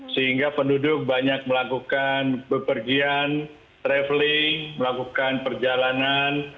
sehingga penduduk banyak melakukan bepergian traveling melakukan perjalanan